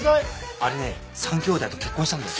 あれね３兄弟と結婚したんだよ。